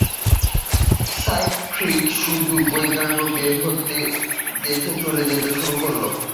Sutcliffe শুধু ব্লেয়ারকে বের হতে দেখে চলে যেতে শুরু করলো।